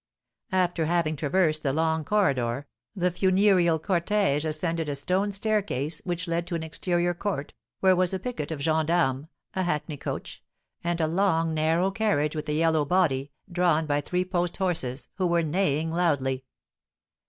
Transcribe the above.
After having traversed the long corridor, the funereal cortège ascended a stone staircase, which led to an exterior court, where was a picquet of gens d'armes, a hackney coach, and a long, narrow carriage with a yellow body, drawn by three post horses, who were neighing loudly.